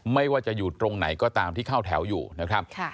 ไม่ว่าจะอยู่ตรงไหนก็ตามที่เข้าแถวอยู่นะครับ